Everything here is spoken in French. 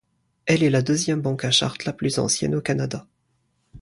Elle est la deuxième banque à charte la plus ancienne au Canada.